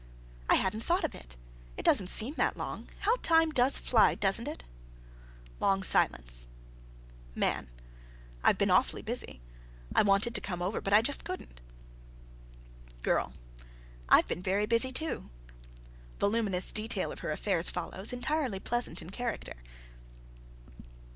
"I hadn't thought of it. It doesn't seem that long. How time does fly, doesn't it!" (Long silence.) MAN. "I've been awfully busy. I wanted to come over, but I just couldn't." GIRL. "I've been very busy, too." (_Voluminous detail of her affairs follows, entirely pleasant in character.